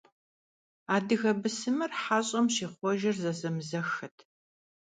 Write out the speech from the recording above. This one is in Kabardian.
Адыгэ бысымыр хьэщӀэм щихъуэжыр зэзэмызэххэт.